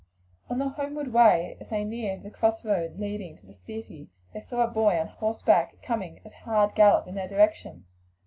On the homeward way, as they neared the cross road leading to the city, they saw a boy on horseback coming at a hard gallop down it in their direction.